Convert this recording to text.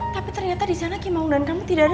tapi ternyata di sana kimau dan kamu tidak ada